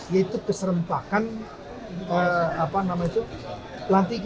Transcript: yaitu keserentakan apa namanya itu lantika